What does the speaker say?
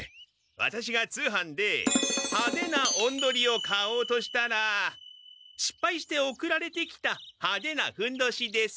ワタシが通販ではでなおんどりを買おうとしたらしっぱいして送られてきたはでなふんどしです。